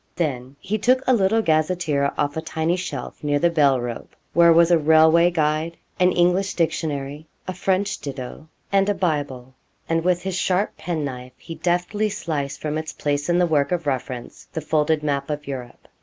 Then he took a little gazetteer off a tiny shelf near the bell rope, where was a railway guide, an English dictionary, a French ditto, and a Bible, and with his sharp penknife he deftly sliced from its place in the work of reference the folded map of Europe.